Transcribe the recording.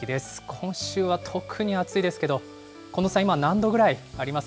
今週は特に暑いですけど、近藤さん、今、何度ぐらいあります？